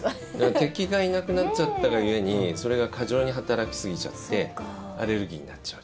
敵がいなくなっちゃったが故にそれが過剰に働きすぎちゃってアレルギーになっちゃう。